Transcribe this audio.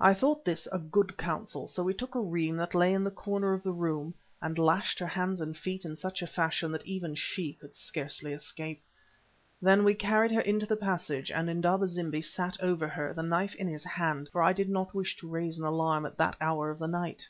I thought this a good counsel, so we took a reim that lay in the corner of the room, and lashed her hands and feet in such a fashion that even she could scarcely escape. Then we carried her into the passage, and Indaba zimbi sat over her, the knife in his hand, for I did not wish to raise an alarm at that hour of the night.